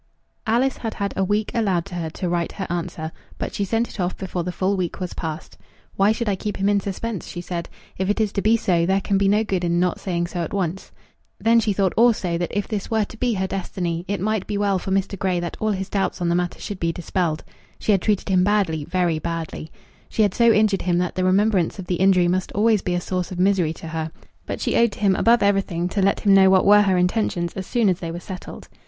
Alice had had a week allowed to her to write her answer; but she sent it off before the full week was past. "Why should I keep him in suspense?" she said. "If it is to be so, there can be no good in not saying so at once." Then she thought, also, that if this were to be her destiny it might be well for Mr. Grey that all his doubts on the matter should be dispelled. She had treated him badly, very badly. She had so injured him that the remembrance of the injury must always be a source of misery to her; but she owed to him above everything to let him know what were her intentions as soon as they were settled.